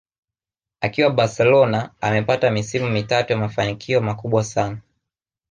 Akiwa Barcelona amepata misimu mitatu ya mafanikio makubwa sana